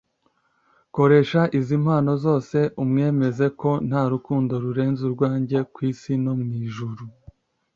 Koresha izi mpano zose umwemeze ko nta rukundo rurenze urwanjye ku isi no mu ijuru